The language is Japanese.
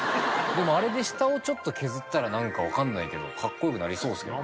でもあれで下をちょっと削ったらなんかわかんないけど格好良くなりそうですよね。